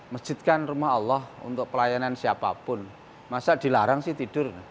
masjidkan rumah allah untuk pelayanan siapapun masa dilarang sih tidur